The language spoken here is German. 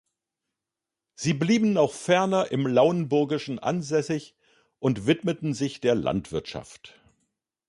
Sie blieben auch ferner im Lauenburgischen ansässig und widmeten sich der Landwirtschaft.